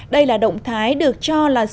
đây là động thái được cho là sau